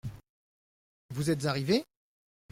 Vous êtes arrivé ?